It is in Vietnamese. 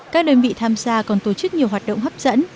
các đơn vị tham gia còn tổ chức nhiều hoạt động hấp dẫn